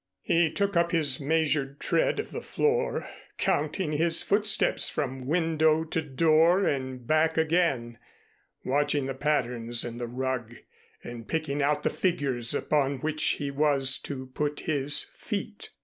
He took up his measured tread of the floor, counting his footsteps from window to door and back again, watching the patterns in the rug and picking out the figures upon which he was to put his feet.